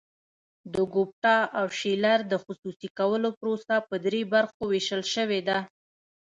د ګوپټا او شیلر د خصوصي کولو پروسه په درې برخو ویشل شوې ده.